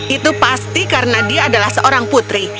itu pasti karena dia adalah seorang putri